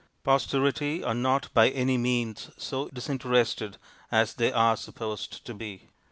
Posterity are not by any means so disinterested as they are supposed to be.